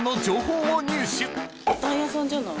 ボタン屋さんじゃない？